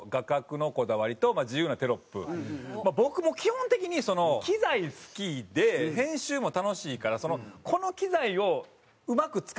僕も基本的に機材好きで編集も楽しいからこの機材をうまく使いたいだとか。